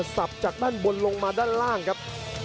สับจากด้านบนลงมาด้านล่างครับ